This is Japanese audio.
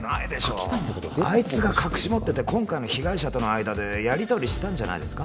書きたいんだけどアイツが隠し持ってて今回の被害者との間でやり取りしたんじゃないですか？